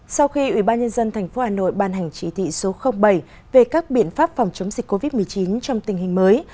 sau khi ủy ban nhân dân tp hà nội ban hành chỉ thị số bảy về các biện pháp phòng chống dịch covid một mươi chín trong tình hình mới